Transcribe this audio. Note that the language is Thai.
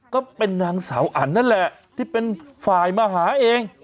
ก็เป็นนางสาวอันนั่นแหละที่เป็นฝ่ายมาหาเอง